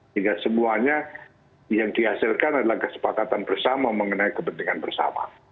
hingga semuanya yang dihasilkan adalah kesepakatan bersama mengenai kepentingan bersama